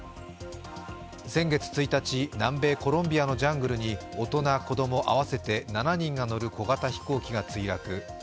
先月１日、南米コロンビアのジャングルに大人、子供合わせて７人が乗る小型飛行機が墜落。